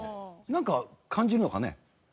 なんか感じるのかね？